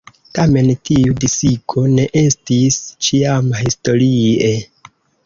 Tamen tiu disigo ne estis ĉiama historie.